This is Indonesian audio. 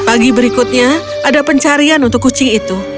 pagi berikutnya ada pencarian untuk kucing itu